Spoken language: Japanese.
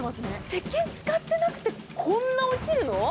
せっけん使ってなくてこんなに落ちるの？